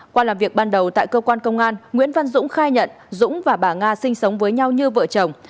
qua làm việc ban đầu tại cơ quan công an nguyễn văn dũng khai nhận dũng và bà nga sinh sống với nhau như vợ chồng